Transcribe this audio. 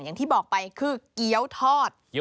อย่างที่บอกไปคือเกี้ยวทอด